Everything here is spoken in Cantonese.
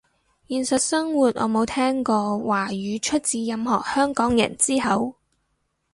現實生活我冇聽過華語出自任何香港人之口